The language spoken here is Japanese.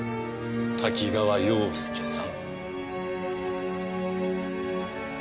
多岐川洋介さん。